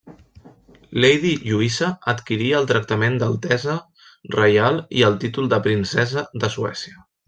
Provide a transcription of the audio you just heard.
Lady Lluïsa adquiria el tractament d'altesa reial i el títol de princesa de Suècia.